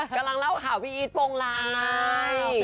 กำลังเล่าข่าวพี่อีทโปรงไลน์